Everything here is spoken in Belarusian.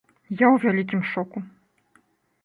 Я ў вялікім шоку.